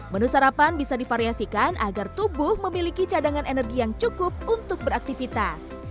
menu sarapan bisa divariasikan agar tubuh memiliki cadangan energi yang cukup untuk beraktivitas